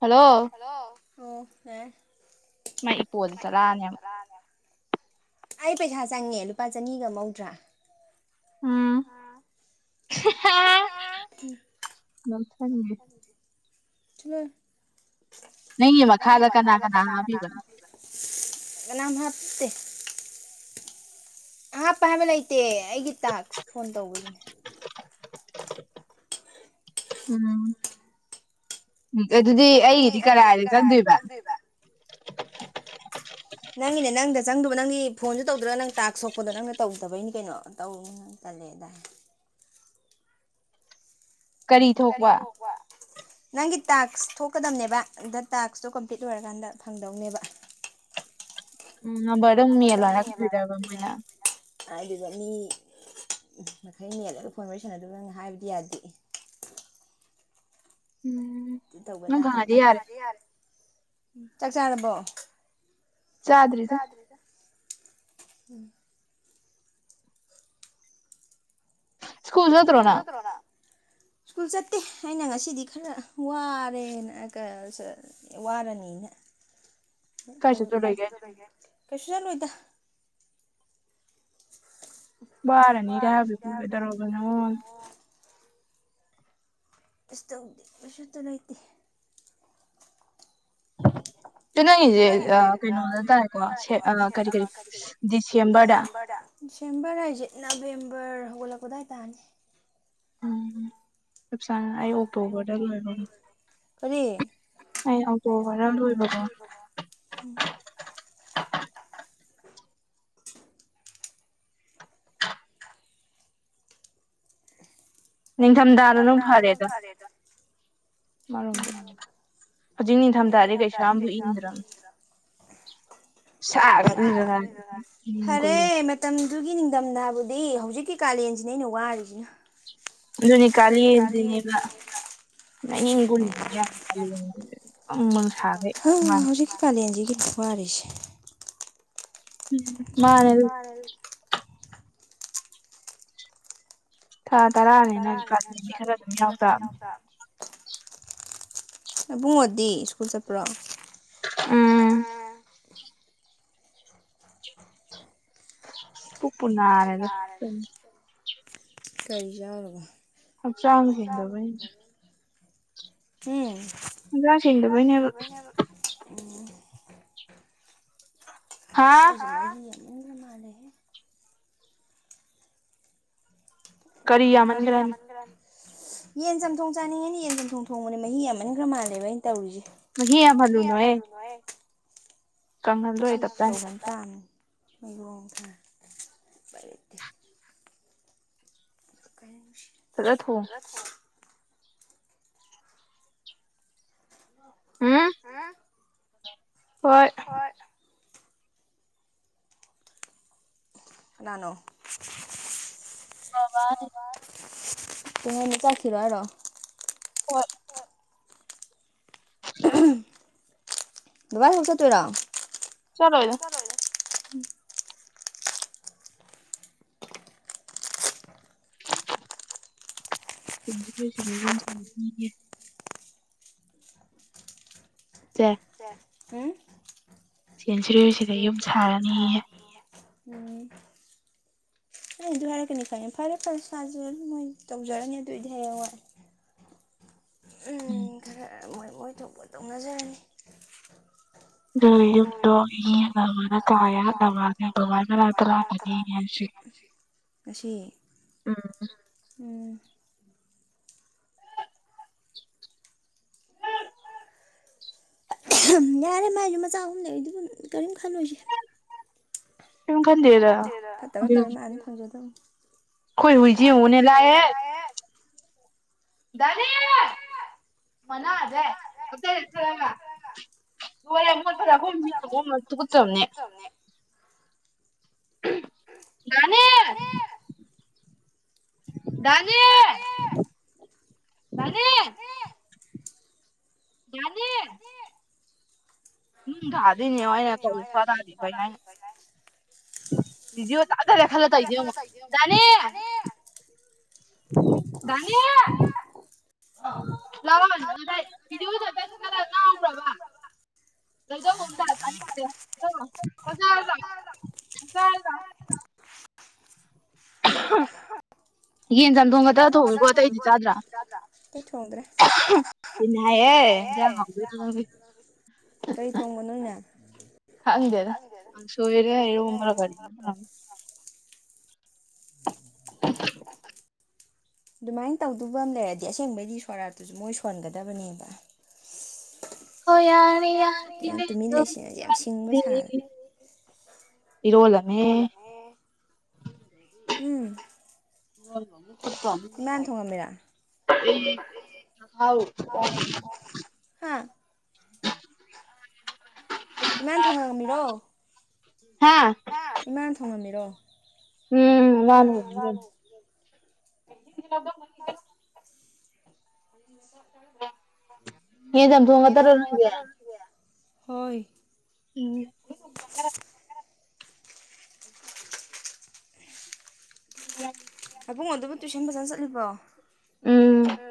Hello hello ꯑ‌ ꯌꯥꯏ [unintelligible] ꯑꯩ ꯄꯩꯁꯥ ꯆꯪꯉꯦ ꯂꯨꯄꯥ ꯆꯅꯤꯒ ꯃꯧꯗ꯭ꯔꯥ ꯎꯝ [unintelligible] [unintelligible] ꯅꯪꯒꯤ ꯃꯈꯥꯗ ꯀꯅꯥ ꯀꯅꯥ ꯍꯥꯞꯕꯤꯕ ꯀꯅꯥꯝ ꯍꯥꯞꯇꯦ ꯑꯍꯥꯞꯄ ꯍꯥꯏꯕ ꯂꯩꯇꯦ ꯑꯩꯒꯤ ꯇꯥꯛꯁ ꯐꯣꯟ ꯇꯧꯕꯒꯤ ꯎꯝ ꯎꯝ ꯑꯗꯨꯗꯤ ꯑꯩꯒꯤꯗꯤ ꯀꯔꯥꯏꯗ ꯆꯟꯗꯣꯏꯕ ꯅꯪꯒꯤꯅꯦ ꯅꯪꯗ ꯆꯪꯗꯨꯕ ꯅꯪꯒꯤ ꯐꯣꯟꯖꯨ ꯇꯧꯗ꯭ꯔꯒ ꯅꯪ ꯇꯥꯛ ꯁꯣꯛꯄꯗꯣ ꯅꯪꯅ ꯇꯧꯗꯕꯩꯅꯤ ꯀꯩꯅꯣ ꯇꯧꯔꯨ ꯇꯜꯂꯦꯗꯥꯏ ꯀꯔꯤ ꯊꯣꯛꯄ ꯅꯪꯒꯤ ꯇꯥꯛꯁ ꯊꯣꯛꯀꯗꯝꯕꯅꯦꯕ ꯑꯗ ꯇꯥꯛꯁꯇꯣ ꯀꯝꯄ꯭ꯂꯤꯠ ꯑꯣꯏꯔꯀꯥꯟꯗ ꯐꯪꯗꯧꯅꯦꯕ [unintelligible] [unintelligible] ꯎꯝ [unintelligible] ꯆꯗ꯭ꯔꯤꯗ ꯁ꯭ꯀꯨꯜ ꯆꯠꯇ꯭ꯔꯣ ꯅꯪ ꯁ꯭ꯀꯨꯜ ꯆꯠꯇꯦ ꯑꯩꯅ ꯉꯁꯤꯗꯤ ꯈꯔ ꯋꯥꯔꯦꯅ ꯋꯥꯔꯅꯤꯅ ꯀꯩꯁꯨ ꯆꯠꯂꯣꯏꯗ ꯔꯅꯤ ꯌꯥꯗ ꯇꯔꯣꯒꯅ ꯑꯁ ꯇꯧꯗꯦ ꯀꯩꯁꯨꯠꯇ ꯂꯩꯇꯦ ꯅꯪꯒꯤꯁꯦ ꯀꯩꯅꯣꯗꯇꯥꯥꯔꯦꯀꯣ ꯀꯔꯤ ꯀꯔꯤ ꯗꯤꯁꯦꯝꯕꯔꯗ ꯗꯤꯁꯦꯝꯕꯔ ꯍꯥꯏꯁꯤꯠ ꯅꯕꯦꯝꯕꯔ ꯍꯧꯒꯠꯂꯛꯄ ꯑꯗꯨꯗꯥꯏꯇꯥꯔꯅꯤ ꯆꯞꯁꯥ ꯑꯩ ꯑꯣꯛꯇꯣꯕꯔꯗ ꯂꯣꯏꯕ ꯑꯩ ꯑꯣꯛꯇꯦꯕꯔꯗ ꯂꯣꯏꯕꯒꯣ ꯎꯝ [unintelligible] [unintelligible] ꯅꯤꯡꯊꯝꯊꯥꯅ ꯗꯨꯅ ꯐꯔꯦꯗ ꯑꯃꯔꯣꯝꯗ ꯍꯧꯖꯤꯛ ꯅꯤꯡꯊꯝꯊꯥꯗꯤ ꯀꯩꯁꯥꯝꯕꯨ ꯏꯪꯗ꯭ꯔꯕꯅꯤ ꯐꯔꯦ ꯃꯇꯝꯗꯨꯒꯤ ꯅꯤꯡꯊꯝꯊꯥꯕꯨꯗꯤ ꯍꯧꯖꯤꯛꯀꯤ ꯀꯥꯂꯦꯟꯁꯤꯅꯦ ꯑꯩꯅ ꯋꯥꯔꯤꯁꯤꯅ ꯑꯗꯨꯅꯤ ꯀꯥꯂꯦꯟꯁꯤꯅꯦꯕ [unintelligible] ꯕꯪ ꯕꯪ ꯁꯥꯒꯩ ꯀꯂꯦꯟꯖꯤꯒꯤ ꯋꯔꯤꯖꯦ ꯃꯥꯅꯦ [unintelligible] ꯊꯥ ꯇꯔꯥꯅꯤꯅ [unintelligible] ꯈꯔ ꯑꯗꯨꯝ ꯌꯥꯎꯗ ꯑꯕꯨꯡꯉꯣꯗꯤ ꯁ꯭ꯀꯨꯜ ꯆꯠꯄ꯭ꯔꯣ ꯎꯝ ꯄꯨꯛ ꯄꯨꯨꯅ ꯀꯔꯤ ꯆꯥꯎꯔꯕ ꯍꯛꯆꯥꯡ ꯍꯦꯟꯗꯕꯩꯅꯦ ꯍꯛꯆꯥꯡ ꯁꯦꯡꯗꯕꯩꯅꯦ ꯎꯝ ꯂꯣꯏꯅ ꯃꯥꯜꯂꯦꯌꯦ ꯎꯝ ꯀꯔꯤ ꯌꯥꯃꯟꯒ꯭ꯔꯅꯤ ꯌꯦꯟ ꯆꯝꯊꯣꯡ ꯆꯥꯅꯤꯡꯉꯤꯅꯦ ꯌꯦꯟ ꯆꯝꯊꯣꯡ ꯊꯣꯡꯕꯅꯦ ꯃꯍꯤ ꯈꯔꯃꯥꯜꯂꯦꯕ ꯑꯩꯅ ꯇꯧꯔꯤꯁꯦ ꯃꯥꯥꯍꯤ ꯌꯥꯝꯍꯜꯂꯨꯅꯨꯍꯦ ꯇꯥꯞꯅ ꯇꯧꯕꯇꯥꯏ ꯎꯄꯥꯏ ꯂꯩꯇꯦ [inaudible] ꯐꯗ ꯊꯣ [inaudible] ꯍꯥ ꯍꯣꯏ ꯀꯅꯥꯅꯣ ꯃꯥꯃꯅꯦ ꯇꯨꯡꯅ ꯆꯥꯛ ꯊꯤꯔꯣ ꯍꯥꯏꯔꯣ ꯍꯣꯏ ꯕꯕꯥꯌꯥꯏ ꯍꯣꯏꯔꯣꯝ ꯆꯠꯇꯨꯏꯔꯣ ꯆꯠꯂꯣꯏꯗ ꯖ ꯀꯁꯤ ꯂꯩꯦ ꯆꯦ ꯎꯝ [unintelligible] ꯍꯥꯏꯅꯤ ꯎꯝ ꯑꯩ ꯑꯗꯨ ꯍꯥꯏꯔꯛꯀꯅꯤ ꯈꯅꯤ ꯐꯔꯦ ꯐꯔꯦ ꯁꯥꯁꯨ ꯑꯗꯨꯝ ꯃꯣꯏ ꯇꯧꯖꯔꯅꯤ ꯑꯗꯨꯑꯣꯏꯗꯤ ꯍꯥꯏꯌꯦꯡ ꯋꯥꯏ ꯎꯝ ꯈꯔ ꯃꯣꯏ ꯃꯣꯏ ꯊꯣꯛꯄ ꯇꯧꯅꯖꯥꯔꯅꯤ ꯗꯨꯝ ꯇꯣꯅ ꯀ ꯅ ꯉꯥꯁꯤ ꯎꯝ ꯌꯥꯔꯦ ꯃꯥꯏꯁꯨ ꯃꯆꯥ ꯑꯍꯨꯝ ꯂꯩꯔꯤꯗꯨꯕꯨ ꯀꯔꯤꯝ ꯈꯜꯂꯣꯏꯁꯤ ꯀꯔꯤꯝ ꯈꯟꯗꯦꯗ ꯐꯇꯕ ꯇꯧꯔꯦ ꯃꯥꯅ ꯑꯗꯨꯝ ꯐꯪꯖꯗꯧꯅꯤ ꯑꯩꯈꯣꯏ ꯍꯨꯏꯖꯦ ꯌꯦꯡꯉꯨꯅꯦ ꯂꯥꯛꯑꯦꯍꯦ ꯗꯗꯦ ꯃꯅꯥ ꯑꯗꯦꯔ ꯂꯣꯏꯔꯦ ꯃꯣꯠꯄꯥꯗ ꯑꯩꯈꯣꯏ ꯍꯨꯏꯅ ꯃꯔꯣꯟ ꯑꯃ ꯇꯨꯀꯠꯆꯕꯅꯦ [unintelligible] [unintelligible] ꯗꯥꯅꯤ ꯗꯥꯅꯤ ꯗꯥꯅꯤ ꯅꯨꯡ ꯊꯗꯨꯏꯅꯦ ꯌꯦꯡꯉꯣ ꯑꯩꯅ ꯀꯧꯔꯤꯁꯦ ꯁꯨꯡꯇꯥ ꯇꯥꯗꯦ ꯕꯤꯗꯤꯌꯣ ꯇꯞ ꯇꯥꯏ ꯂꯩꯈꯠꯂꯒ ꯇꯧꯔꯤꯁꯦ ꯌꯦꯡꯉꯣ ꯗꯅꯤ ꯗꯅꯤ ꯂꯗꯤ꯭ꯔꯚꯥ ꯔꯗ ꯐꯣꯝꯗ ꯑꯅꯤꯗ ꯀꯁ ꯍꯥꯏꯔꯒ ꯀꯁ ꯍꯥꯏꯔꯀ ꯌꯦꯟ ꯆꯥꯝꯊꯣꯡ ꯈꯛꯇ ꯊꯣꯛꯏꯕꯣ ꯑꯇꯩꯗꯤ ꯆꯥꯗ꯭ꯔꯣ ꯑꯇꯩ ꯊꯣꯡꯗ꯭ꯔꯦ ꯇꯤꯟ ꯍꯥꯏꯌꯦ ꯏꯟꯁꯥꯡ ꯍꯥꯎꯗꯨꯏ ꯀꯩ ꯊꯣꯡꯕꯅꯣꯅꯦ ꯈꯪꯗꯦꯗ ꯀꯥꯡꯁꯣꯏꯔꯥ ꯏꯔꯣꯟꯕꯔꯥ ꯀꯔꯤꯅꯣ ꯇꯧꯔꯝꯅꯤ [inaudible] [inaudible] ꯑꯗꯨꯃꯥꯏꯅ ꯇꯧꯗꯕ ꯑꯃ ꯂꯩꯔꯗꯤ ꯑꯁꯦꯡꯕꯩꯗꯤ ꯁꯣꯔꯥꯠꯇꯨꯁꯨ ꯃꯣꯏ ꯁꯣꯟꯒꯗꯕꯅꯦꯕ ꯍ ꯌꯥꯅꯤ ꯌꯥ ꯏꯔꯣꯂꯅꯦ ꯎꯝ ꯃ ꯀꯇꯣ ꯑꯩ ꯏꯃꯌꯥꯝ ꯊꯣꯡꯉꯥꯡꯉꯝꯃꯤꯔꯣ ꯍꯥꯥ ꯏꯃꯥꯅ ꯊꯣꯡꯉꯝꯃꯤꯔꯣ ꯎꯝ ꯂꯅ [unintelligible] ꯌꯦ ꯆꯄꯒ ꯍꯣꯏ ꯎꯝ ꯎꯝ ꯑꯕꯨꯡꯉꯣ ꯗꯨꯕꯨ ꯇꯨꯏꯁꯟ ꯐꯖꯅ ꯆꯠꯂꯤꯕ꯭ꯔꯣ ꯎꯝ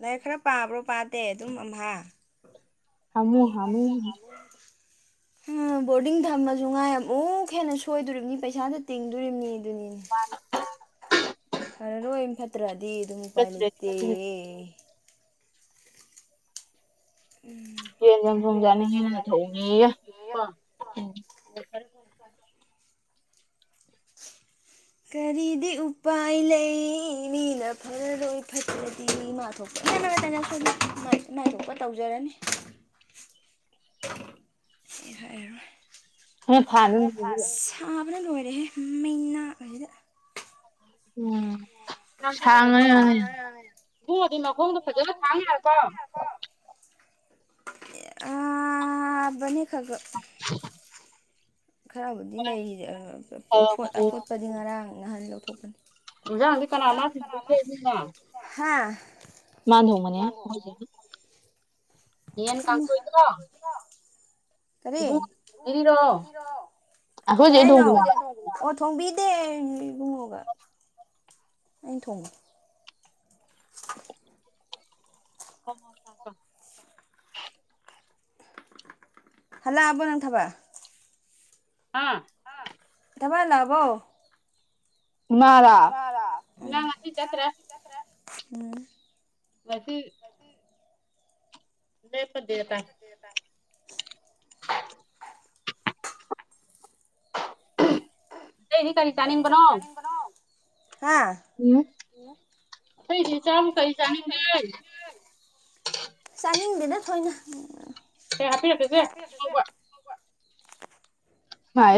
ꯂꯥꯏꯔꯤꯛ ꯈꯔ ꯄꯥꯕ꯭ꯔꯣ ꯄꯥꯗꯦ ꯑꯗꯨꯝ ꯑꯝꯐꯥ ꯍꯃꯨ ꯍꯃꯨ ꯎꯝ ꯕꯣꯔꯗꯤꯡ ꯊꯝꯃꯁꯨ ꯉꯥꯏ ꯑꯃꯨꯛ ꯍꯦꯟꯅ ꯁꯣꯏꯗꯣꯔꯤꯕꯅꯤ ꯄꯩꯁꯥꯗꯣ ꯇꯤꯡꯗꯣꯔꯤꯕꯅꯤ ꯑꯗꯨꯅꯤꯅꯦ ꯐꯔꯔꯣꯏ ꯏꯝ ꯐꯠꯇ꯭ꯔꯗꯤ ꯑꯗꯨꯝ ꯎꯄꯥꯏ ꯂꯩꯇꯦꯌꯦ ꯎꯝ ꯌꯦꯦꯟꯖꯖꯨꯝꯖꯥꯅꯤ ꯍꯦꯟꯅ ꯊꯣꯡꯉꯦꯌꯦ ꯀꯔꯤꯗꯤ ꯎꯄꯥꯏ ꯂꯩ ꯃꯤꯅ ꯐꯔꯔꯣꯏ ꯐꯠꯇ꯭ꯔꯗꯤ ꯃꯤ ꯃꯥꯊꯣꯛ ꯅꯅ ꯅꯠꯇꯅ ꯑꯩꯈꯣꯏꯅ ꯉꯅꯥꯊꯣꯛꯄ ꯇꯧꯖꯔꯅꯤ ꯍꯥꯏꯔꯔꯣꯢ꯫ ꯁꯥꯕꯅ ꯂꯣꯏꯔꯦ ꯃꯩꯅꯥꯛꯑꯖꯤꯗ꯫ ꯎꯝ ꯊꯥꯡꯉꯉ ꯏꯣꯡꯗꯤ ꯃꯈꯣꯡꯗꯣ ꯐꯖꯅ ꯊꯥꯡ ꯌꯔꯕꯣ? ꯑꯅꯤ ꯈ ꯈꯔꯕꯨꯗꯤ ꯂꯩꯔꯤ ꯐꯣꯠ ꯑꯐꯣꯠ ꯄꯗꯤ ꯉꯔꯥꯡ ꯅꯍꯥꯟ ꯂꯧꯊꯣꯛꯄꯅꯤ꯫ ꯌꯦꯟꯁꯥꯡꯁꯤ ꯀꯅꯥꯅ ꯊꯗꯦꯅ꯫ ꯍꯥꯥ ꯃꯥꯥꯟꯅꯊꯣꯡꯕꯅꯦ ꯌꯦꯟꯀꯥꯡꯁꯣꯢꯗꯣ ꯀꯔꯤ ꯀ ꯩꯍꯢꯅꯣ? ꯑꯣ ꯊꯣꯡꯕꯤꯗꯦ ꯏꯕꯨꯉꯣꯒ꯫ ꯑꯩꯅ ꯊꯉ ꯍꯜꯂ ꯑꯕ ꯅꯪ ꯊꯕꯛ ꯍꯥꯥ ꯑ ꯇꯕꯥꯏ ꯂꯕꯣ ꯃꯔ ꯉꯃ ꯉꯁꯤ ꯆꯠ꯭ꯔꯦ ꯎꯝ ꯁꯦ ꯂꯩ ꯐꯗꯦ ꯇꯥꯢ ꯍ ꯂꯩꯗꯤ ꯀꯔꯤ ꯀꯔꯤ ꯆꯅꯤꯡꯕꯅꯣ ꯎꯝ ꯀꯩꯁꯤ ꯆꯥꯅꯤꯡꯗꯦꯅ ꯊꯣꯏꯅ ꯍꯥꯐꯄꯤ ꯔꯇꯦꯁꯦ ꯅꯉ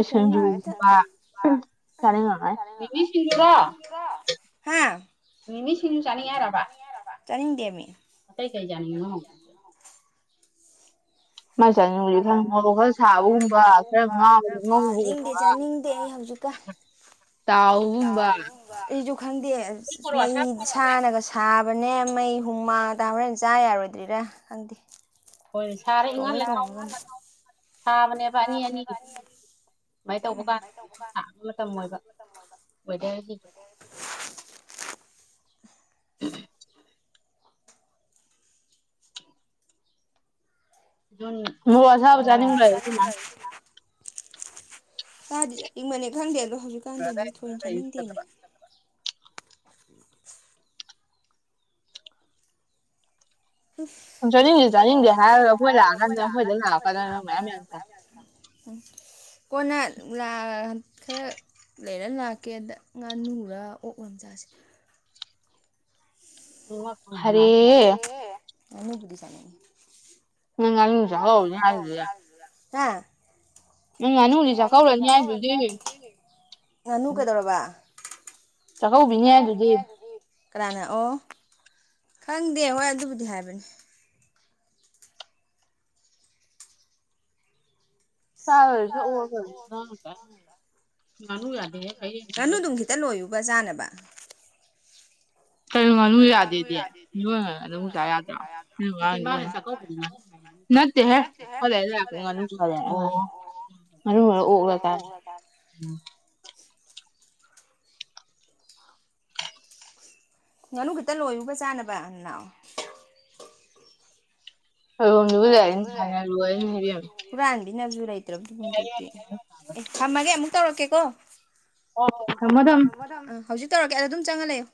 ꯀ ꯍꯥꯥ ꯃꯤꯅꯤ ꯁꯤꯅ ꯆꯅꯤ ꯑꯕꯕꯥ ꯆꯥꯅꯤꯡꯗꯦꯝꯃꯤ ꯑꯇꯩ ꯀꯩꯖꯅꯤꯡꯉꯅꯣ ꯁꯥꯥꯗꯦ ꯆꯥꯅꯤꯡꯗꯦ ꯑꯩ ꯍꯧꯖꯤꯛ ꯑꯩꯁꯨ ꯈꯪꯗꯦ ꯃꯩ ꯁꯥꯅꯒ ꯊꯥꯕꯅꯦ ꯃꯩ ꯍꯨꯃꯥ ꯇꯥꯕ꯭ꯔꯅ ꯆꯥ ꯌꯥꯔꯣꯏꯗ꯭ꯔꯤꯔꯥ ꯈꯪꯗꯦ ꯑꯣꯏ ꯇꯣꯡꯉꯦ ꯇꯣꯡꯅꯤ ꯊꯥꯕꯅꯦꯕꯅꯤ ꯑꯅꯤ ꯑꯗꯨꯃꯥꯏꯅ ꯇꯧꯕ ꯀꯥꯟꯗ ꯃꯁ ꯁꯥꯕ ꯃꯇꯝ ꯑꯣꯏꯕ ꯋꯦꯗꯔꯒꯤꯁꯨ ꯎ ꯎꯝ ꯑꯗꯨ ꯃ ꯑꯁꯥꯕ ꯆꯥꯅꯤꯡꯕ ꯂꯩ ꯑꯗꯨꯅ ꯇꯥꯗꯤ ꯏꯃꯅꯦ ꯈꯪꯗꯦ ꯑꯗꯣ ꯍꯧꯖꯤꯛꯀꯥꯟꯗꯤ ꯑꯃꯨꯛ ꯊꯣꯏꯅ ꯆꯥꯅꯤꯡꯗꯦꯅꯦ ꯆꯠꯅꯤꯡꯁ ꯆꯥꯅꯤꯡꯁꯦ ꯍꯥꯏꯔꯣ ꯑꯩꯈꯣꯏ ꯂꯥꯛꯑꯀꯥꯟꯗ ꯑꯩꯈꯣꯏꯗ ꯂꯥꯛꯀꯗ ꯑꯗꯨꯥꯏ ꯀꯣꯟꯅ ꯈꯔ ꯂꯩꯔ ꯂꯥꯛꯀꯦ ꯑꯗ ꯉꯥꯅꯨꯔ ꯑꯣꯛ ꯃꯆꯥꯥꯁꯦ ꯑꯔ ꯉꯃꯤ ꯀꯗꯤ ꯆꯅꯤ ꯅꯪꯜꯗ ꯍꯜꯗ ꯉꯥꯅꯨꯅꯦ ꯆ ꯉꯥꯅꯨ ꯀꯩꯗꯧꯔꯕ ꯆꯥꯛꯀꯧꯕꯤꯅꯦ ꯑꯗꯨꯗꯤ ꯀꯅꯥꯅꯑꯣ ꯈꯪꯗꯦ ꯍꯣꯏ ꯑꯗꯨꯕꯨꯗꯤ ꯍꯥꯏꯕꯅꯤ [unintelligible] ꯕꯥꯖꯥꯅꯕ ꯀꯩꯅ ꯉꯥꯅꯨ ꯌꯥꯗꯦꯗꯤ ꯑꯗꯨꯨꯛꯇ ꯌꯥꯗ꯭ꯔꯣ ꯅꯠꯇꯦ ꯍꯦ ꯈ ꯂꯩꯔ ꯂꯥꯛꯄ ꯉꯅꯨ ꯆꯥꯖꯦ ꯑꯣ ꯉꯥꯅꯨꯔ ꯑꯣꯛꯂ ꯆꯥ ꯎꯝ ꯉꯥꯅꯨ ꯈꯤꯇ ꯂꯣꯏꯎꯕ ꯆꯥꯅꯕ ꯅꯥꯎ ꯐꯝꯗꯨꯕꯨ ꯂꯩꯔꯗꯤ ꯍꯟꯅ ꯂꯣꯏꯔꯅꯤ ꯕꯦꯝ ꯍꯨꯔꯥꯟꯕꯤꯅꯕꯁꯨ ꯂꯩꯇ꯭ꯔꯕꯗꯨ ꯍꯟꯗꯛꯇꯤ ꯊꯝꯃꯒꯦ ꯑꯃꯨꯛ ꯇꯧꯔꯛꯀꯦꯀꯣ ꯑꯣ ꯊꯝꯃꯣ ꯊꯝꯃꯣ ꯎꯝ ꯍꯧꯖꯤꯛ ꯇꯧꯔꯛꯀꯦ ꯑꯗ ꯑꯗꯨꯝ ꯆꯪꯉ ꯂꯩꯌꯨ